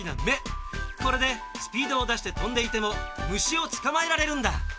これでスピードをだしてとんでいてもむしをつかまえられるんだ。